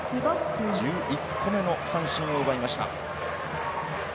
１１個目の三振を奪いました。